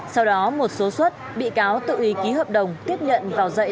sau đó một số suất bị cáo tự ý ký hợp đồng tiếp nhận vào dạy